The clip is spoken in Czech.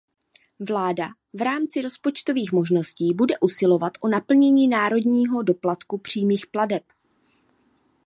Vláda v rámci rozpočtových možností bude usilovat o naplnění národního doplatku přímých plateb.